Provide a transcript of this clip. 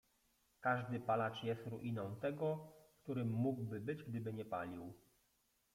Każdy palacz jest ruiną tego, którym mógłby być, gdyby nie palił.